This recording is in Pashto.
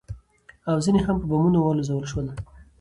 او ځنې هم په بمونو والوزول شول.